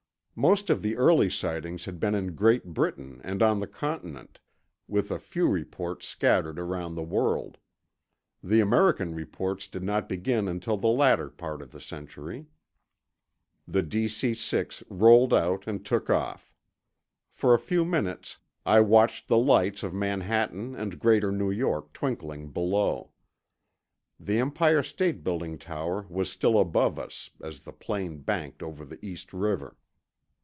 Most of the early sightings had been in Great Britain and on the Continent, with a few reports scattered around the world. The American reports did not begin until the latter part of the century. The DC 6 rolled out and took off. For a few minutes I watched the lights of Manhattan and Greater New York twinkling below. The Empire State Building tower was still above us, as the plane banked over the East River.